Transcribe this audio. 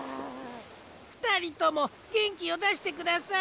ふたりともげんきをだしてください。